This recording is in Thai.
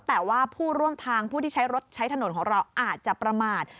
แต่ว่าผู้ร่วมทางผู้ที่ใช้รถใช้ถนนของเราอาจจะประมาท